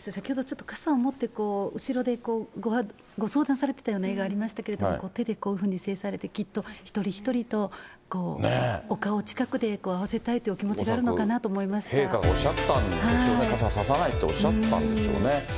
先ほどちょっと傘を持って、後ろでご相談されてたような絵がありましたけれども、手でこういうふうに制されて、きっと一人一人とお顔を近くで合わせたいというお気持ちがあるの陛下がおっしゃったんでしょうね、傘ささないとおっしゃったんでしょうね。